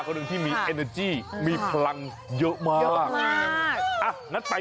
คุณเฟียวฟาวนะ